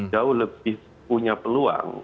jauh lebih punya peluang